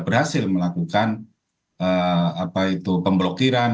berhasil melakukan apa itu pemblokiran